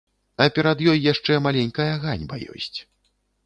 А перад ёй яшчэ маленькая ганьба ёсць.